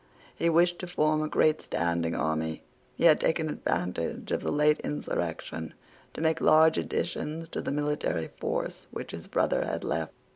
He wished to form a great standing army. He had taken advantage of the late insurrection to make large additions to the military force which his brother had left.